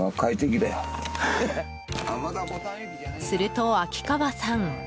すると、秋川さん